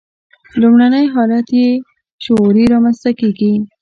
لومړنی حالت یې شعوري رامنځته کېږي.